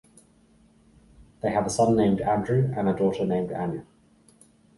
They have a son named Andrew and a daughter named Anya.